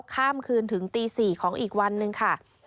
ข้ามคืนถึงตี๔ของอีกวันหนึ่งค่ะ